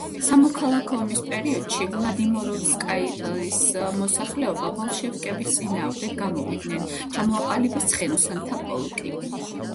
სამოქალაქო ომის პერიოდში ვლადიმიროვსკაიის მოსახლეობა ბოლშევიკების წინააღმდეგ გამოვიდნენ, ჩამოაყალიბეს ცხენოსანთა პოლკი.